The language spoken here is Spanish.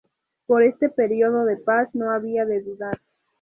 Pero este periodo de paz no había de durar.